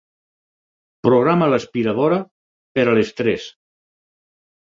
Programa l'aspiradora per a les tres.